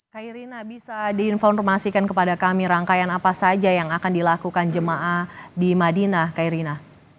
kak irina bisa diinformasikan kepada kami rangkaian apa saja yang akan dilakukan jamaah di madinah kak irina